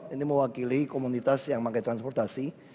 ini mewakili komunitas yang pakai transportasi